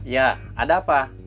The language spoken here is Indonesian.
ya ada apa